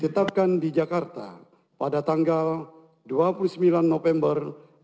tetapkan di jakarta pada tanggal dua puluh sembilan november dua ribu dua puluh